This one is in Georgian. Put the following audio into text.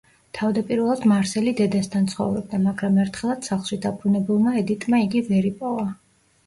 თავდაპირველად მარსელი დედასთან ცხოვრობდა, მაგრამ ერთხელაც სახლში დაბრუნებულმა ედიტმა იგი ვერ იპოვა.